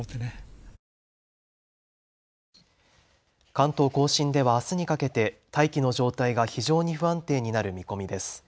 関東甲信ではあすにかけて大気の状態が非常に不安定になる見込みです。